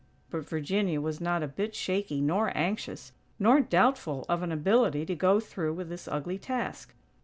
But Virginia was not a bit shaky nor anxious, nor doubtful of an ability to go through with this ugly task.